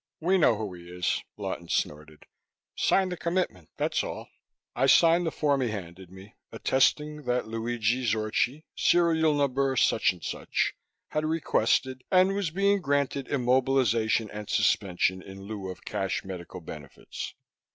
"We know who he is," Lawton snorted. "Sign the commitment, that's all." I signed the form he handed me, attesting that Luigi Zorchi, serial number such and such, had requested and was being granted immobilization and suspension in lieu of cash medical benefits.